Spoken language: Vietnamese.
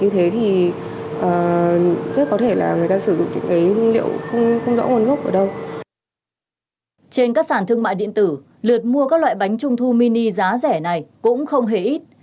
trên các sản thương mại điện tử lượt mua các loại bánh trung thu mini giá rẻ này cũng không hề ít